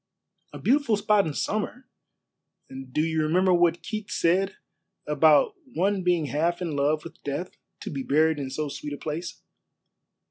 "A beautiful spot in summer. Do you remember what Keats said about one being half in love with death to be buried in so sweet a place?"